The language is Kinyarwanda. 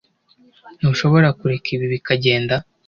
Ntushobora kureka ibi bikagenda